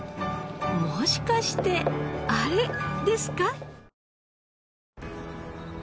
もしかしてあれですか？